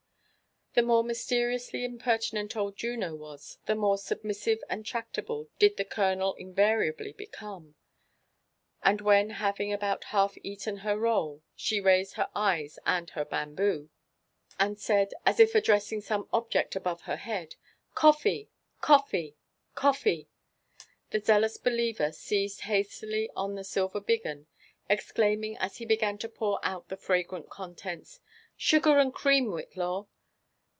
The more mysteriously impertinent old Juno was, the more submis sive and tractable did the colonel invariably become ; and when hav ing about half eaten her roll, she raisod her eyes and hpr bamboo, and said, as if addressing some object above herhead, *' Coffee ! coffee! cofToe!" the zealous believer seized hastily on the silver biggen, ex claiming as he began to pour out the fragrant contents :'* Sugar and cream,. Whitlaw !